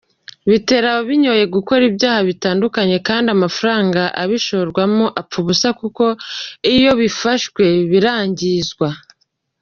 Bitera ababinyoye gukora ibyaha bitandukanye, kandi amafaranga abishorwamo apfa ubusa kuko iyo bifashwe birangizwa.